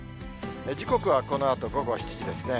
時刻はこのあと午後７時ですね。